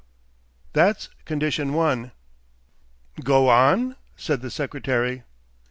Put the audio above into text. That's condition one." "Go on!" said the secretary.